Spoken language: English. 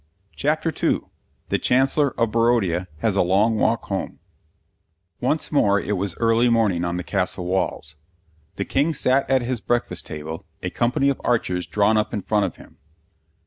CHAPTER II THE CHANCELLOR OF BARODIA HAS A LONG WALK HOME Once more it was early morning on the castle walls. The King sat at his breakfast table, a company of archers drawn up in front of him.